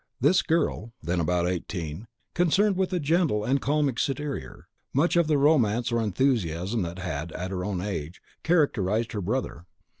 This girl, then about eighteen, concerned beneath a gentle and calm exterior much of the romance or enthusiasm that had, at her own age, characterised her brother.